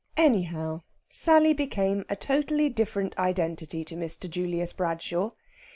Anyhow, Sally became a totally different identity to Mr. Julius Bradshaw.